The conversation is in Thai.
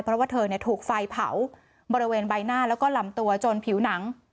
เพราะว่าเธอถูกไฟเผาบริเวณใบหน้าแล้วก็ลำตัวจนผิวหนัง